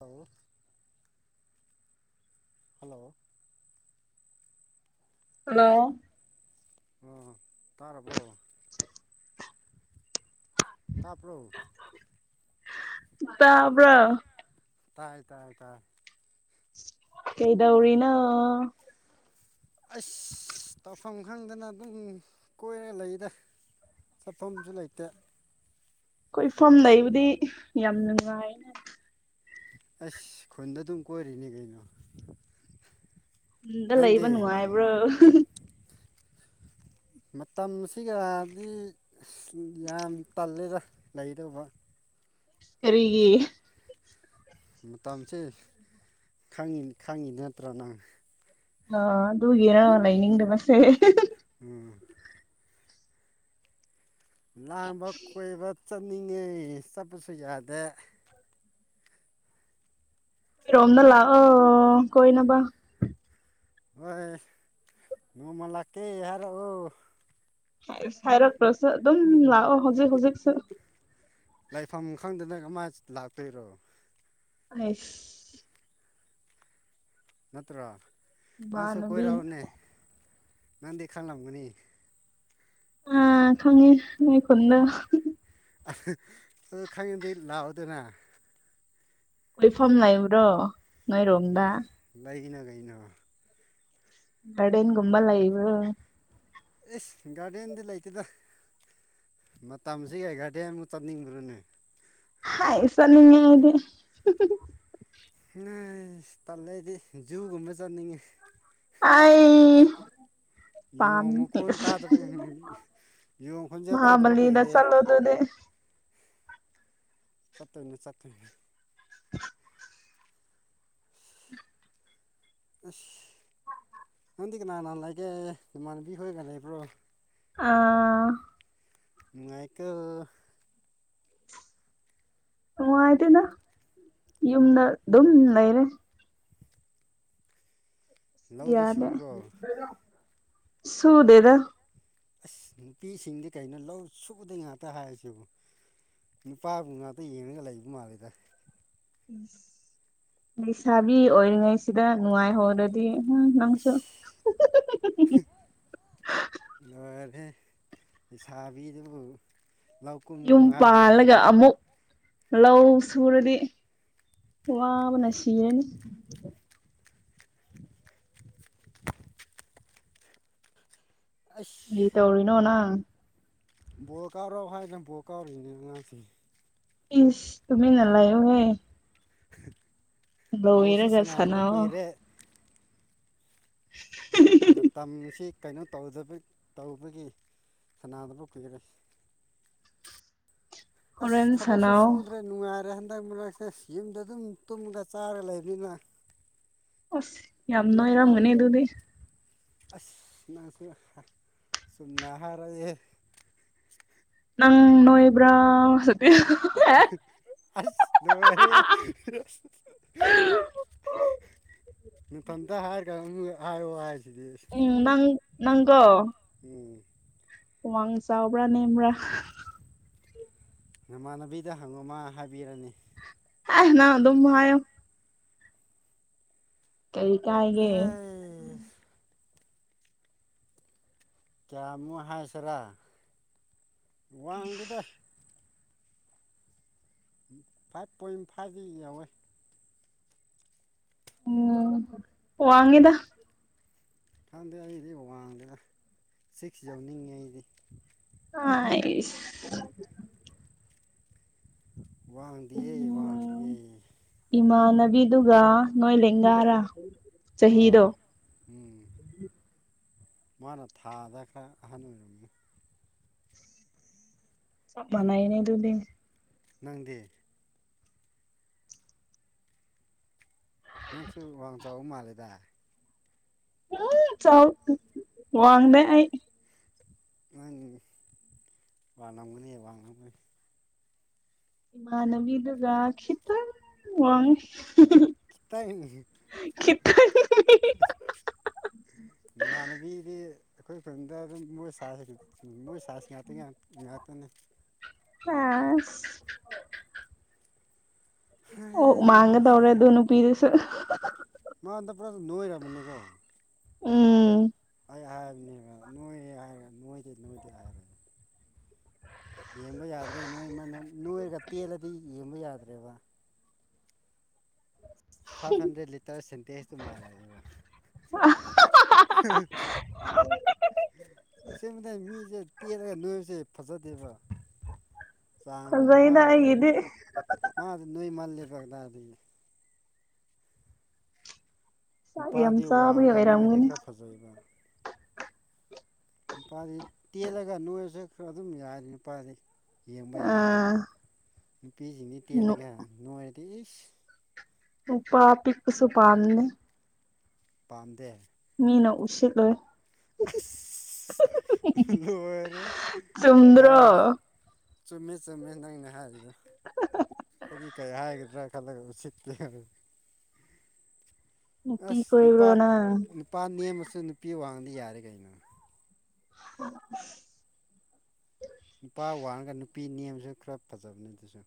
ꯑꯂꯣ hello hello ꯑꯣ ꯇꯥꯔꯕꯣ [unintelligible] ꯇꯥꯕ꯭ꯔꯣ ꯇꯥꯕ꯭ꯔꯣ ꯇꯥꯏ ꯇꯥꯏ ꯇꯥꯏ ꯀꯩꯗꯧꯔꯤꯅꯣ ꯑꯁ ꯇꯧꯐꯝ ꯈꯪꯗꯅ ꯑꯗꯨꯝ ꯀꯣꯏꯔ ꯂꯩꯗ ꯆꯠꯐꯝꯖꯨ ꯂꯩꯇꯦ ꯀꯣꯏꯐꯝ ꯂꯩꯕꯗꯤ ꯌꯥꯝ ꯅꯨꯡꯉꯥꯏꯅꯦ ꯑꯁ ꯈꯨꯟꯗ ꯑꯗꯨꯝ ꯀꯣꯏꯔꯤꯅꯦ ꯀꯩꯅꯣ ꯅꯨꯡꯗ ꯂꯩꯕ ꯅꯪꯗꯤ ꯅꯨꯡꯉꯥꯏꯕ꯭ꯔꯣ ꯃꯇꯝꯁꯤꯒꯗꯤ ꯌꯥꯝ ꯇꯜꯂꯦꯗ ꯂꯩꯗꯧꯕ ꯀꯔꯤꯒꯤ ꯃꯨꯇꯝꯆꯦ ꯈꯪꯉꯤꯟ ꯈꯪꯉꯤ ꯅꯠꯇ꯭ꯔꯣ ꯅꯪ ꯑꯥ ꯑꯗꯨꯒꯤꯔꯥ ꯂꯩꯅꯤꯡꯗꯕꯁꯦ ꯎꯝ ꯂꯥꯡꯕ ꯀꯣꯏꯕ ꯆꯠꯅꯤꯡꯉꯦ ꯆꯠꯄꯁꯨ ꯌꯥꯗꯦ ꯀꯤꯔꯣꯝꯗ ꯂꯥꯛꯑꯣ ꯀꯣꯏꯅꯕ ꯍꯣꯏ ꯅꯣꯡꯃ ꯂꯥꯛꯀꯦ ꯍꯥꯏꯔꯛꯑꯣ ꯍꯦꯁ ꯍꯥꯏꯔꯛꯇ꯭ꯔꯁꯨ ꯑꯗꯨꯝ ꯂꯥꯛꯑꯣ ꯍꯧꯖꯤꯛ ꯍꯧꯖꯤꯛꯁꯨ ꯂꯥꯏꯐꯝ ꯈꯪꯗꯅ ꯀꯃꯥꯏꯁ ꯂꯥꯛꯇꯣꯏꯔꯣ ꯑꯥꯏꯁ ꯅꯠꯇ꯭ꯔꯣ ꯅꯪꯁꯨ ꯏꯃꯥꯟꯅꯕꯤ ꯀꯣꯏꯔꯛꯎꯅꯦ ꯅꯪꯗꯤ ꯈꯪꯂꯝꯒꯅꯤ ꯑꯥ ꯈꯪꯉꯤ ꯅꯣꯏ ꯈꯨꯟꯗꯣ ꯑꯗꯨ ꯈꯪꯉꯤꯗꯤ ꯂꯥꯛꯎꯗꯅ ꯀꯣꯏꯐꯝ ꯂꯩꯕ꯭ꯔꯣ ꯅꯣꯏꯔꯣꯝꯗ ꯎꯝ ꯂꯩꯩꯅ ꯒꯩꯅꯣ ꯒꯥꯔꯗꯦꯟꯒꯨꯝꯕ ꯂꯩꯕ꯭ꯔꯣ ꯏꯁ ꯒꯥꯔꯗꯦꯟꯗꯤ ꯂꯩꯇꯦꯗ ꯃꯇꯝꯁꯤꯒꯩ ꯒꯥꯔꯗꯦꯟꯃꯨꯛ ꯆꯠꯅꯤꯡꯕ꯭ꯔꯣꯅꯦ ꯍꯥꯏꯁ ꯅꯤꯡꯉꯦꯦ ꯅꯣꯏ ꯇꯜꯂꯗꯤ ꯖꯨꯒꯨꯝꯕ ꯆꯠꯅꯤꯡꯉꯦ ꯑꯩ ꯄꯥꯝꯃꯤ ꯌꯃꯨꯈꯣꯟ ꯇꯥꯗ ꯌꯣꯡ ꯈꯣꯡꯖ ꯇꯥꯗꯕ ꯃꯍꯥꯕꯂꯤꯗ ꯀꯨꯏꯔꯦ ꯆꯠꯂꯣ ꯑꯗꯨꯗꯤ ꯆꯠꯠꯇꯣꯏꯅꯦ ꯆꯠꯇꯣꯏꯅꯦ [unintelligible] ꯑꯁ ꯅꯪꯗꯤ ꯀꯅꯥ ꯀꯅꯥꯥꯟ ꯂꯩꯒꯦ ꯏꯃꯥꯟꯅꯕꯤ ꯈꯣꯏꯒ ꯂꯩꯕ꯭ꯔꯣ ꯑ ꯅꯨꯡꯉꯥꯏꯀꯦ ꯎ ꯑꯥꯏꯇꯅ ꯌꯨꯝꯗ ꯝ ꯂꯩꯔꯦ ꯂꯧꯗꯤ ꯌꯥꯅꯦ ꯁꯨꯕ꯭ꯔꯣ ꯁꯨ ꯗꯦꯗ ꯑꯁ ꯅꯨꯄꯤꯁꯤꯡꯗꯤ ꯀꯩꯅꯣ ꯂꯧ ꯁꯨꯕꯗ ꯉꯥꯛꯇ ꯍꯥꯏꯔꯁꯤꯕꯨ ꯅꯨꯅꯤꯄꯥꯕꯨ ꯉꯥꯛꯇ ꯌꯦꯡꯉꯒ ꯂꯩꯕ ꯃꯥꯜꯂꯤꯦꯗ ꯂꯩꯁꯥꯕꯤ ꯑꯣꯏꯔꯤꯉꯩꯁꯤꯗ ꯅꯨꯡꯉꯥꯏꯍꯧꯗꯗꯤ ꯍ ꯂꯪꯁꯨꯣ ꯂꯣꯏꯔꯔꯦ ꯂꯩꯩꯁꯥꯕꯤꯗꯨꯕꯨ ꯂꯧ ꯌꯨꯝ ꯀꯨꯝꯒꯅꯨ ꯍꯥꯏꯕ ꯄꯥꯜꯂꯒ ꯂꯩꯕ꯭ꯔꯣꯅꯦ ꯑꯃꯨꯛ ꯂꯧ ꯁꯨꯔꯗꯤ ꯋꯥꯕꯅ ꯁꯤꯔꯅꯤ [unintelligible] ꯑꯁ ꯇꯧꯔꯤꯅꯣꯅ ꯕꯣꯔ ꯀꯥꯎꯔꯣꯚꯥꯏꯗ ꯕꯣꯔ ꯀꯥꯎꯔꯤꯅꯦ ꯑꯉꯥꯡꯁꯤ ꯏꯁ ꯇꯨꯃꯤ ꯅꯂꯥꯏꯣꯍꯦ ꯕꯨ ꯂꯣꯏꯔꯒ ꯁꯅꯗꯨꯕ ꯁꯥꯟꯅꯧ ꯀꯨꯏꯔꯦ ꯃꯇꯝꯁꯤ ꯀꯩꯅꯣ ꯇꯧ ꯇꯧꯕꯒꯤ ꯁꯅꯥꯗꯕ ꯀꯨꯏꯔꯦ [unintelligible] ꯑꯁ ꯊꯕꯛꯁꯨ ꯁꯥꯟꯅꯧ ꯁꯨꯗ꯭ꯔꯦ ꯅꯨꯡꯉꯥꯏꯔꯦ ꯍꯟꯗꯛ ꯃꯔꯛꯁꯦ ꯌꯨꯝꯗ ꯑꯗꯨꯝ ꯇꯨꯝꯃꯒ ꯆꯥꯔ ꯂꯩꯕꯅꯤꯅ ꯑꯁ ꯌꯥꯝꯅꯣ ꯏꯔꯣ ꯃꯅꯤ ꯑꯗꯨꯗꯤ ꯑꯁ ꯅꯪꯁꯨ ꯆꯨꯝꯅ ꯍꯥꯏꯔꯛꯑꯦ ꯅꯪ ꯅꯣꯏꯕ꯭ꯔꯥ ꯁꯀ ꯑꯁ ꯂꯕꯔꯦ ꯅꯤꯡꯊꯝꯇ ꯍꯥꯏꯔꯒ ꯑꯃꯨꯛ ꯍꯥꯏꯌꯑꯣ ꯍꯥꯏꯁꯤꯗꯤ ꯑꯁ ꯎꯝꯪ ꯅꯪꯒꯣ ꯎꯝ ꯎꯃꯥꯡ ꯆꯥꯎꯕ꯭ꯔꯥ ꯅꯦꯝꯕ꯭ꯔꯥ ꯅꯃꯥꯟꯅꯕꯤꯗ ꯍꯪꯉꯣꯃ ꯍꯥꯏꯕꯤꯔꯅꯤ ꯑꯦ ꯅ ꯑꯗꯨꯝꯌꯣ ꯇꯔꯤ ꯍ ꯀꯌꯥꯃꯣ ꯍꯥꯏꯁꯤꯔꯥ ꯋꯥꯡꯗꯦꯗ ꯎ ꯐꯥꯏꯚ ꯄꯣꯏꯟ ꯐꯥꯏꯚꯗꯤ ꯌꯥꯎꯋꯦ ꯎꯝ ꯋꯥꯉꯗ ꯈꯪꯗꯦ ꯑꯩꯗꯤ ꯋꯥꯡꯗꯅ ꯁꯤꯛꯁ ꯌꯧꯅꯤꯡꯉꯦ ꯑꯩꯗꯤ ꯑꯁ ꯋꯥꯡꯗꯤꯌꯦꯦ ꯎꯝ ꯋꯥꯡꯗꯤꯌꯦꯦ ꯏꯃꯥꯟꯅꯕꯤꯗꯨꯒ ꯅꯣꯏ ꯂꯦꯡꯒꯥꯔꯥ ꯆꯍꯤꯗꯣ ꯑꯥ ꯎꯝ ꯃꯥꯅ ꯊꯥꯗ ꯈꯔ ꯑꯍꯟ ꯑꯣꯏꯔꯝꯃꯦ ꯃꯅꯥ ꯌꯦꯅꯦ ꯑꯗꯨꯗꯤ ꯅꯪꯗꯤꯦ ꯅꯪꯁꯨ ꯋꯥꯡ ꯆꯥꯎ ꯃꯥꯜꯂꯦꯗ ꯎꯝ ꯆꯥꯎꯥꯎ ꯋꯥꯡꯗ ꯑꯩ ꯑꯪ ꯂꯃꯨ ꯍ ꯂꯥꯡꯅꯕ ꯏꯃꯥꯟꯅꯕꯤꯗꯨꯒ ꯈꯤꯇꯪ ꯋꯥꯡꯈꯤ ꯈꯤꯇꯪ ꯀꯇ ꯅꯃꯥꯟꯅꯕꯤꯗꯤ ꯑꯩꯈꯣꯏ ꯈꯨꯟꯗ ꯑꯗꯨꯝ ꯃꯣꯏ ꯁꯥꯁꯤ ꯃꯣꯏ ꯁꯥꯁꯤ ꯉꯥꯛꯇ ꯉꯥꯛꯇꯅꯤ [unintelligible] ꯑꯣ ꯃꯥꯡꯒ ꯍꯩꯍꯥ ꯇꯧꯔꯦ ꯑꯗꯨꯣꯅ ꯄꯤꯁ ꯃꯥ ꯑꯟ ꯄꯨꯔꯥ ꯅꯨꯍꯣꯏꯔꯃꯤꯅꯤꯀꯣ ꯎꯝ ꯑꯩ ꯍꯥꯏꯕꯅꯦꯕ ꯅꯣꯏꯔꯦ ꯍꯥꯏꯔꯒ ꯅꯣꯏꯗꯦ ꯅꯣꯏꯗꯦ ꯍꯥꯏꯕꯅꯤ꯫ ꯌꯦꯡꯕ ꯌꯥꯗ꯭ꯔꯦ ꯅꯣꯏꯃꯅ ꯅꯣꯏꯔꯒ ꯇꯦꯜꯂꯗꯤ ꯌꯦꯡꯕ ꯌꯥꯗ꯭ꯔꯦꯕ꯫ ꯐꯥꯏꯚ ꯍꯟꯗ꯭ꯔꯦꯠ ꯂꯤꯇꯔ ꯁꯦꯟꯇꯦꯖꯇꯨ ꯃꯥꯜꯂꯛꯑꯦꯕ꯫ ꯍꯥ ꯍꯥ ꯑꯁꯦꯡꯕꯅꯦ ꯃꯤꯖꯦ ꯇꯦꯜꯂꯒ ꯅꯣꯏꯕꯁꯦ ꯐꯖꯗꯦꯕ ꯆꯥꯡ ꯅꯥꯏ ꯐꯖꯩꯗ ꯃꯥꯥꯡꯗꯤ ꯎ ꯑꯩꯒꯤꯗꯤ ꯎꯝ ꯃꯥꯗꯤ ꯅꯣꯏꯃꯜꯂꯦꯕ ꯗꯥꯥ ꯗꯤ ꯆꯥꯛ ꯌꯥꯝ ꯅꯨꯄꯥꯗꯤ ꯆꯥꯕꯒꯤ ꯋꯥꯡꯔꯒ ꯅꯣꯏꯗꯤ ꯑꯣꯏꯔꯝꯒꯅꯤ ꯈꯔ ꯐꯖꯩꯕ꯫ ꯅꯨꯄꯥꯗꯤ ꯇꯦꯜꯂꯒ ꯅꯣꯏꯔꯁꯨ ꯈꯔ ꯑꯗꯨꯝ ꯌꯥꯔꯤ ꯅꯨꯄꯥꯗꯤ ꯌꯦꯡꯕ ꯌꯥꯏꯗ꯫ ꯑꯥ ꯅꯨꯄꯤ ꯖꯤꯅꯤ ꯇꯦꯂꯒ ꯅꯣꯏꯔꯗꯤ ꯏꯁ ꯅꯨꯄꯥ ꯄꯤꯛꯄꯁꯨ ꯄꯥꯝꯅꯤ꯫ ꯄꯥꯝꯗꯦ ꯃꯤꯅ ꯎꯁꯤꯠꯂꯣꯏ ꯍꯤ ꯍꯤ ꯁ ꯎꯝꯍꯨꯝ ꯂꯣꯏꯔꯦꯍꯦ ꯀꯩ ꯆꯨꯝꯗ꯭ꯔꯣ ꯍꯥꯏ ꯆꯨꯝꯃꯦ ꯆꯨꯝꯃꯦ ꯅꯪꯅ ꯍꯥꯏꯔꯤꯗꯣ ꯍꯥ ꯍꯥ ꯍꯥ ꯍꯥ ꯑꯩꯗꯤ ꯀꯩ ꯍꯥꯏꯒꯗ꯭ꯔꯥ ꯈꯜꯂꯒ ꯎꯁꯤꯠꯇꯦ ꯅꯨꯄꯤ ꯑꯁ ꯅꯨꯄꯥ ꯀꯣꯏꯕ꯭ꯔꯣ ꯅꯪ ꯅꯨꯄꯥ ꯅꯦꯝꯃꯁꯨ ꯅꯨꯄꯤ ꯋꯥꯡꯉꯗꯤ ꯌꯥꯔꯦ ꯀꯩꯅꯣ꯫ [unintelligible] ꯅꯨꯄꯥ ꯋꯥꯉꯒ ꯅꯨꯄꯤ ꯅꯦꯝꯖꯨ ꯈꯔ ꯐꯖꯕꯅꯤ ꯑꯗꯨꯁꯨ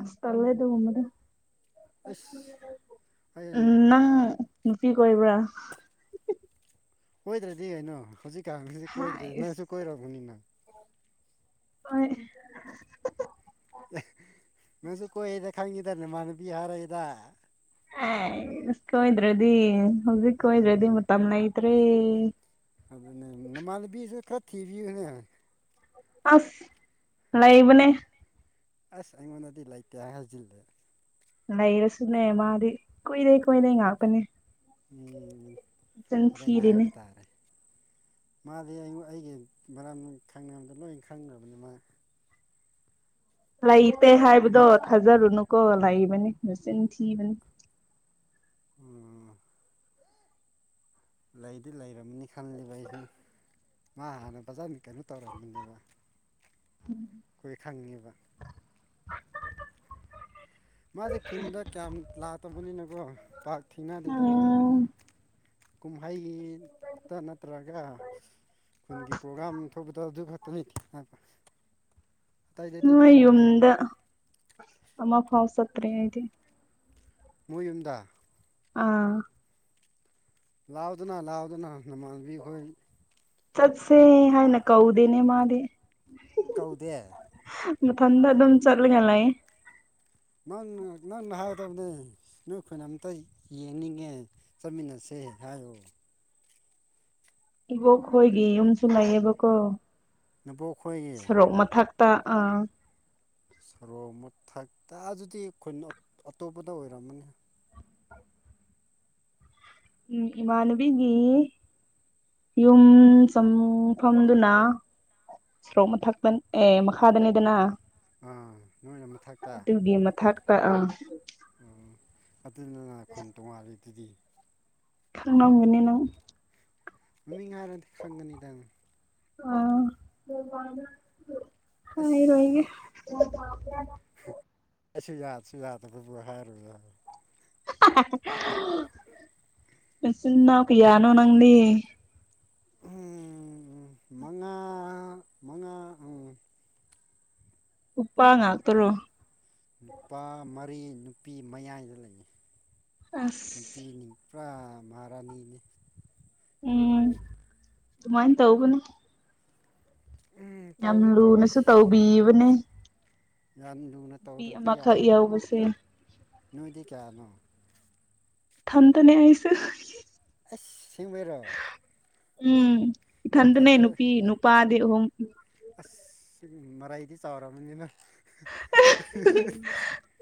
ꯑꯁ ꯇꯜꯂꯦ ꯑꯗꯨꯒꯨꯝꯕꯗꯨ꯫ ꯑꯁ ꯍꯌꯦꯡ ꯎꯝ ꯅꯪ ꯅꯨꯄꯤ ꯀꯣꯏꯕꯔꯥ ꯀꯣꯏꯗ꯭ꯔꯗꯤ ꯀꯩꯅꯣ ꯍꯧꯖꯤꯛꯀꯥꯟꯁꯤꯗꯤ ꯀꯣꯏꯗ꯭ꯔꯗꯤ ꯅꯪꯁꯨ ꯍꯥꯏꯁ ꯀꯣꯏꯔꯝꯒꯅꯤ ꯅꯪ ꯑꯣꯏ ꯑ ꯅꯪꯁꯨ ꯀꯣꯏꯗ ꯈꯪꯉꯤꯗꯅꯦ ꯅꯃꯥꯅꯕꯤ ꯍꯥꯏꯔꯛ ꯏꯗ ꯑꯥꯏꯁ ꯀꯣꯏꯗ꯭ꯔꯗꯤ ꯍꯧꯖꯤꯛ ꯀꯣꯏꯗ꯭ꯔꯗꯤ ꯑꯗꯨꯅꯦ ꯃꯇꯝ ꯂꯩꯇꯔ꯭ꯦ꯫ ꯑꯗꯨꯅꯦ ꯅꯃꯥꯟꯅꯕꯤꯁꯨ ꯈꯔ ꯊꯤꯕꯤꯌꯨꯅꯦ꯫ ꯑꯁ ꯂꯩꯕꯅꯦ꯫ ꯑꯁ ꯑꯩꯥꯉꯣꯟꯗꯤ ꯂꯩꯇꯦ ꯍꯥꯏꯖꯤꯜꯂꯦ꯫ ꯂꯩꯔꯁꯨꯅꯦ ꯃꯥꯗꯤ ꯀꯨꯏꯔꯦ ꯀꯣꯢꯅꯩ ꯉꯥꯛꯇꯅꯤ꯫ ꯎꯝ ꯍꯣꯔꯦꯟ ꯊꯤꯔꯤꯅꯦ ꯍꯥꯏꯕ ꯇꯥꯔꯦ ꯃꯥꯗꯤ ꯑꯩꯉꯣ ꯑꯩꯒꯤ ꯃꯔꯝ ꯈꯪꯅꯕꯗ ꯂꯣꯏ ꯈꯪꯒꯔꯕꯅꯤ ꯃꯥ ꯂꯩꯇꯦ ꯍꯥꯏꯕꯗꯣ ꯊꯥꯖꯔꯨꯅꯨꯀꯣ ꯂꯩꯕꯅꯤ ꯃꯆꯤꯟ ꯊꯤꯕꯅꯤ꯫ ꯎꯝ ꯂꯩꯗꯤ ꯂꯩꯔꯝꯅꯤ ꯈꯜꯂꯤꯕ ꯑꯩꯁꯨ ꯃꯥ ꯍꯥꯟꯅ ꯐꯖꯅꯤ ꯀꯩꯅꯣ ꯇꯧꯔꯝꯕꯅꯦꯕ ꯑꯈꯣꯏ ꯈꯪꯉꯦꯕ ꯃꯥꯖꯦ ꯈꯨꯟꯗ ꯀꯌꯥꯝ ꯂꯥꯛꯇꯕꯅꯤꯅꯀꯣ ꯄꯥꯛ ꯊꯦꯡꯅꯗꯦꯗ ꯑꯈꯣꯏ ꯎꯝ ꯀꯨꯝꯍꯩꯇ ꯅꯠꯇ꯭ꯔꯒ ꯈꯨꯟꯒꯤ ꯄ꯭ꯔꯣꯒꯥ꯭ꯔꯥꯝ ꯊꯣꯛꯄꯗꯣ ꯑꯗꯨ ꯈꯛꯇꯅꯤ ꯊꯦꯅ ꯎꯝ ꯃꯣꯏꯌꯨꯝꯗ ꯑꯃꯐꯥꯎ ꯆꯇꯔꯤ ꯍꯥꯏꯗꯤ ꯃꯣꯏ ꯌꯨꯝꯗ ꯑꯥ ꯂꯥꯎꯗꯅ ꯂꯥꯎꯗꯅ ꯅꯃꯥꯟꯅꯕꯤ ꯈꯣꯏ ꯆꯠꯁꯦ ꯍꯥꯏꯅ ꯀꯧꯗꯦꯅꯦ ꯃꯥꯗꯤ ꯀꯧꯗꯦ ꯃꯊꯟꯗ ꯑꯗꯨꯝ ꯆꯠꯂꯒ ꯂꯩꯇꯦ ꯅꯪꯅ ꯅꯪꯅ ꯍꯥꯏꯒꯗꯕꯅꯦ ꯅꯣꯏ ꯈꯨꯟ ꯑꯝꯇ ꯌꯦꯡꯅꯤꯡꯉꯦ ꯆꯠꯃꯤꯟꯅꯁꯦ ꯍꯥꯏꯌꯣ ꯏꯕꯣꯛ ꯈꯣꯏꯒꯤ ꯌꯨꯝꯁꯨ ꯂꯩꯌꯦꯕꯀꯣ ꯅꯕꯣꯛ ꯈꯣꯏꯒꯤ ꯁꯣꯔꯣꯛ ꯃꯊꯛ ꯑꯥ ꯁꯣꯔꯣꯡ ꯃꯊꯛꯇ ꯑꯗꯨꯗꯤ ꯑꯩꯈꯣꯏꯅ ꯑꯇꯣꯞꯄꯗ ꯑꯣꯏꯔꯝꯃꯅꯤ ꯎꯝ ꯏꯃꯥꯟꯅꯕꯤꯒꯤ ꯌꯨꯝ ꯆꯪꯐꯝꯗꯨꯅ ꯑꯃ ꯊꯥꯛꯄꯟ ꯑꯦ ꯃꯈꯥꯗꯅꯤꯗꯅ ꯑꯥ ꯅꯣꯏ ꯑꯗꯨꯒꯤ ꯃꯊꯛꯇ ꯑꯥ ꯑꯣ ꯑꯗꯨꯗꯨꯅ ꯈꯨꯟ ꯇꯣꯉꯥꯜꯂꯤꯗꯨꯗꯤ ꯈꯪꯅꯅꯕ ꯃꯅꯨꯡꯅꯤ ꯅꯪ ꯃꯃꯤꯡ ꯍꯥꯏꯔꯗꯤ ꯈꯪꯒꯅꯤꯗꯪ ꯑ ꯑꯁ ꯍꯥꯏꯔꯣꯏ ꯑꯩꯁꯨ ꯌꯥꯗꯁꯨ ꯌꯥꯗꯕꯕꯨ ꯍꯥꯏꯔꯨ [unintelligible] [unintelligible] ꯃꯆꯤꯟ ꯅꯅꯥꯎ ꯀꯌꯥꯅꯣ ꯅꯪꯗꯤ ꯎꯝ ꯎꯝ ꯃꯉꯥ ꯃꯉꯥ ꯎꯝ ꯅꯨꯄꯥ ꯉꯥꯛꯇꯔꯣ ꯅꯨꯄꯥ ꯃꯔꯤ ꯅꯨꯄꯤ ꯃꯌꯥꯏꯗ ꯂꯩꯅꯩ ꯑꯁ ꯄꯤꯅꯤ ꯄꯔꯥ ꯃꯔꯥꯅꯤꯅꯦ ꯎꯝ ꯑꯗꯨꯃꯥꯏꯅ ꯇꯧꯕꯅꯦ ꯎꯝ ꯌꯥꯝ ꯇꯧꯗꯤ ꯇꯧꯋꯦ ꯂꯨꯅꯁꯨ ꯇꯧꯕꯤꯕꯅꯦ ꯌꯥꯝ ꯂꯨꯅ ꯅꯨꯄꯤ ꯇꯧꯗ꯭ꯔꯗꯤ ꯑꯃꯈꯛ ꯌꯥꯗ꯭ꯔꯦꯕ ꯌꯥꯎꯕꯁꯦ ꯅꯣꯏꯗꯤ ꯀꯌꯥꯅꯣ ꯊꯥꯟꯗꯣꯅꯦ ꯍꯥꯏꯁꯦ ꯑꯦ ꯑꯁꯦꯡꯕꯩꯔꯣ ꯎꯝ ꯏꯊꯟꯗꯅꯦ ꯅꯨꯄꯤ ꯅꯨꯄꯥꯗꯤ ꯑꯍꯨꯝ ꯑꯁ ꯃꯔꯥꯏꯗꯤ ꯆꯥꯎꯔꯕꯔꯕꯅꯤꯅ [unintelligible]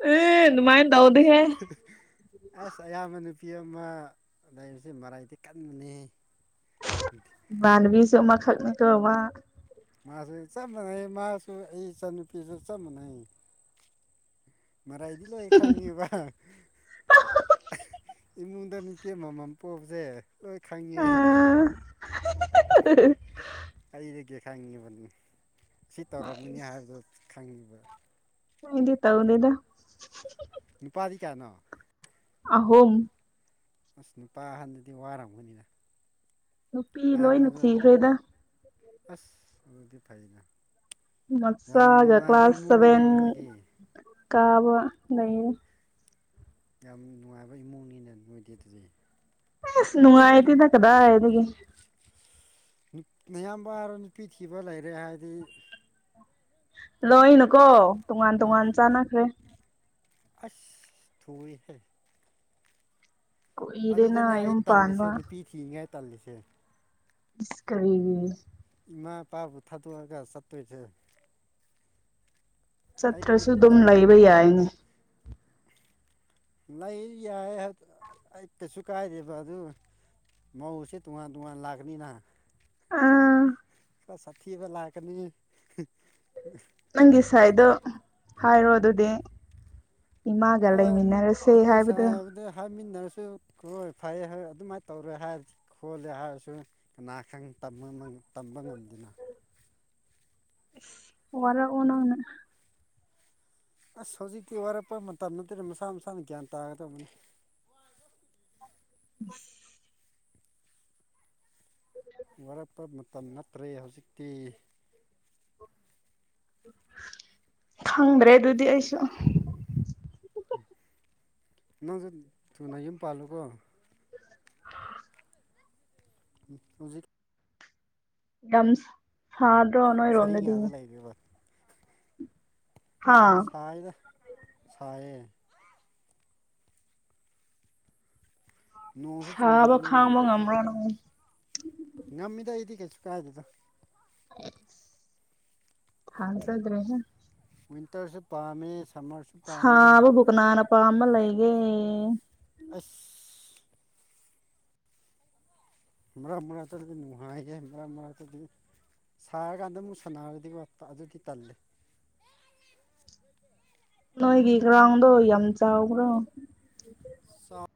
ꯑꯦ ꯑꯗꯨꯃꯥꯏꯅ ꯇꯧꯗꯦꯍꯦ ꯑꯁ ꯑꯌꯥꯝꯕ ꯅꯨꯄꯤ ꯑꯃ ꯂꯩꯔꯤꯁꯦ ꯃꯔꯥꯏꯗꯤ ꯀꯟꯕꯅꯤ ꯎꯝ ꯏꯃꯥꯟꯕꯤꯁꯨ ꯑꯃ ꯈꯛ ꯃꯥꯁꯨ ꯆꯞ ꯃꯥꯟꯅꯩ ꯃꯥꯁꯨ ꯑꯩ ꯏꯆꯟꯅꯨꯄꯤꯁꯨ ꯆꯞ ꯃꯥꯟꯅꯩ ꯃꯔꯥ ꯏꯗꯤ ꯂꯩꯥꯏ ꯈꯪꯕ ꯏꯃꯨꯟꯗꯔ ꯑꯃꯃꯝ ꯄꯣꯕꯁꯦ ꯂꯣꯏ ꯈꯪꯉꯦ ꯑꯩ ꯑꯥ ꯑꯩꯗꯒꯤ ꯈꯪꯉꯤꯕꯅꯤ ꯁꯤ ꯇꯧꯔꯝꯒꯅꯤ ꯍꯥꯏꯕꯗꯣ ꯈꯪꯉꯤꯕ ꯑꯩꯗꯤ ꯇꯧꯗꯦꯗ ꯅꯨꯄꯥꯗꯤ ꯀꯌꯥꯅꯣ ꯑꯍꯨꯝ ꯑꯁ ꯅꯨꯄꯥ ꯑꯍꯟꯗꯗꯤ ꯋꯥꯔꯝꯒꯅꯤꯅ ꯅꯨꯄꯤ ꯂꯣꯏꯅ ꯑꯌꯥꯝꯕꯗ ꯊꯤꯈ꯭ꯔꯦꯗ ꯑꯁ ꯑꯗꯨꯗꯤ ꯐꯩꯅ ꯌꯥꯝ ꯃꯆꯥꯒ ꯅꯨꯡꯉꯥꯏꯕ ꯀ꯭ꯂꯥꯁ ꯁꯚꯦꯟ ꯏꯃꯨꯡꯅꯤꯅꯦ ꯅꯣꯏꯗꯤ ꯀꯥꯕ ꯂꯩ ꯌꯥꯝ ꯅꯨꯡꯉꯥꯏꯕ ꯏꯃꯨꯡꯅꯤꯅ ꯅꯣꯏꯗꯤ ꯑꯗꯨꯗꯤ ꯑꯁ ꯅꯨꯡꯉꯥꯏꯇꯦꯗ ꯀꯗꯥꯏꯗꯩꯅꯣ ꯑꯌꯥꯝꯕ ꯍꯥꯏꯔ ꯅꯨꯄꯤ ꯊꯤꯕ ꯂꯩꯔꯦ ꯍꯥꯏꯗꯤ ꯂꯅꯨꯀꯣ ꯇꯣꯉꯥꯟ ꯇꯣꯉꯥꯟ ꯑꯥ ꯆꯥꯟꯅꯈ꯭ꯔꯦ ꯑꯁ ꯊꯏꯍꯦ ꯀꯨꯏꯔꯦꯅ ꯑꯗꯨꯗꯅꯦ ꯑꯩ ꯌꯨꯝ ꯇꯜꯂꯤꯁꯦ ꯄꯥꯟꯕ ꯅꯨꯄꯤ ꯊꯤꯔꯤꯉꯥꯏ ꯇꯜꯂꯤꯁꯦ ꯏꯁ ꯀꯔꯤꯒꯤ ꯏꯃꯥ ꯏꯄꯥꯕꯨ ꯊꯥꯗꯣꯛꯑꯒ ꯆꯠꯇꯣꯏꯁꯦ ꯑꯩꯗꯤ ꯆꯠꯇ꯭ꯔꯁꯨ ꯑꯗꯨꯝ ꯂꯩꯕ ꯌꯥꯏꯅꯦ ꯂꯩ ꯌꯥꯏ ꯑꯩ ꯀꯩꯁꯨ ꯀꯥꯏꯗꯦꯕ ꯑꯗꯨ ꯃꯧ ꯁꯦ ꯇꯨꯉꯥꯟ ꯇꯨꯉꯥꯟ ꯂꯥꯛꯀꯅꯤꯅ ꯑꯥ ꯈꯔ ꯁꯥꯊꯤꯕ ꯂꯥꯛꯀꯅꯤ ꯅꯪꯒꯤ ꯈꯔ ꯁꯥꯏꯗꯣ ꯍꯥꯏꯔꯣ ꯑꯗꯨꯗꯤ ꯏꯃꯥꯒ ꯍꯣꯏ ꯂꯩꯃꯤꯟꯅꯔꯁꯦ ꯑꯈꯣꯏ ꯍꯥꯏꯕꯗꯣ ꯁꯥꯏꯕꯨꯗꯤ ꯍꯥꯏꯃꯤꯟꯅꯔꯁꯨ ꯍꯣꯏ ꯐꯩ ꯍꯥꯏꯔ ꯑꯗꯨꯃꯥꯏꯅ ꯇꯧꯔꯦ ꯍꯥꯏꯔꯗꯤ ꯈꯣꯠꯂꯦ ꯍꯥꯏꯔꯁꯨ ꯀꯅꯥ ꯈꯪ ꯇꯝꯕ ꯇꯝꯕ ꯉꯝꯗꯅ ꯋꯥꯔꯛꯑꯣ ꯅꯪꯅ ꯑꯁ ꯍꯧꯖꯤꯛꯇꯤ ꯋꯥꯔꯛꯄ ꯃꯇꯝ ꯅꯠꯇꯦꯗ ꯃꯁꯥ ꯃꯁꯥꯅ ꯒ꯭ꯌꯥꯟ ꯇꯥꯒꯗꯕꯅꯤ ꯎꯝ [unintelligible] ꯋꯥꯔꯛꯄ ꯃꯇꯝ ꯅꯠꯇ꯭ꯔꯦ ꯍꯧꯖꯤꯛꯇꯤ ꯈꯪꯗ꯭ꯔꯦ ꯑꯗꯨꯗꯤ ꯑꯩꯁꯨ ꯅꯪꯁꯨ ꯊꯨꯅ ꯌꯨꯝ ꯄꯥꯜꯂꯨꯀꯣ ꯎꯝ ꯍꯧꯖꯤꯛ ꯌꯥꯝ ꯁꯥꯗ꯭ꯔꯣ ꯅꯣꯏꯔꯣꯝꯗꯗꯤ [inaudible] ꯍꯥ ꯁꯥꯏꯗ ꯁꯥꯏꯌꯦ ꯅꯣꯡꯁꯨ ꯁꯥꯕ ꯆꯨꯗꯕꯅꯤꯅ ꯈꯥꯡꯕ ꯉꯝ꯭ꯔꯣ ꯅꯪ ꯉꯝꯃꯤꯗ ꯑꯩꯗꯤ ꯀꯩꯁꯨ ꯀꯥꯏꯗꯦꯗꯥ ꯊꯥꯖꯗ꯭ꯔꯦꯗ ꯋꯤꯟꯇꯔꯁꯨ ꯄꯥꯝꯃꯦ ꯁꯃꯔꯁꯨ ꯁꯥꯕꯕꯨ ꯀꯅꯥꯅ ꯄꯥꯝꯕ ꯂꯩꯒꯦ ꯑꯁ ꯃꯔꯛ ꯃꯔꯛꯇꯗꯤ ꯅꯨꯡꯉꯥꯏꯌꯦ ꯃꯔꯛ ꯃꯔꯛꯇꯗꯤ ꯁꯥꯔꯀꯥꯟꯗ ꯑꯃꯨꯛ ꯁꯥꯟꯅꯔꯗꯤꯀꯣ ꯑꯗꯨꯒꯤ ꯇꯥꯜꯂꯦ ꯅꯣꯏꯒꯤ ꯒꯔꯧꯟꯗꯣ ꯌꯥꯝ ꯆꯥꯎꯕ꯭ꯔꯣ ꯆꯥꯎ